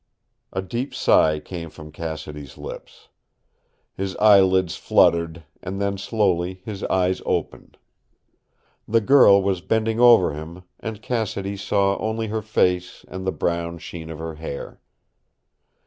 A deep sigh came from Cassidy's lips. His eyelids fluttered, and then slowly his eyes opened. The girl was bending over him, and Cassidy saw only her face, and the brown sheen of her hair.